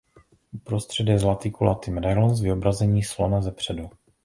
Uprostřed je zlatý kulatý medailon s vyobrazení slona zepředu.